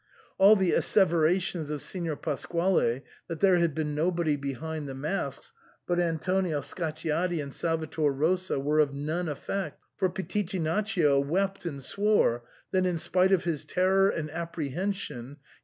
All the asseverations of Signor Pasquale that there had been nobody behind the masks but Antonio Scacciati and Salvator Rosa were of none effect, for Pitichinaccio wept and swore that in spite of his terror and apprehension he.